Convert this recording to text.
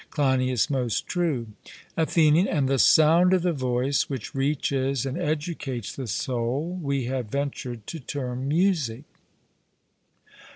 CLEINIAS: Most true. ATHENIAN: And the sound of the voice which reaches and educates the soul, we have ventured to term music.